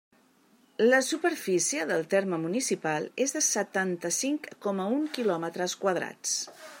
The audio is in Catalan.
La superfície del terme municipal és de setanta-cinc coma un quilòmetres quadrats.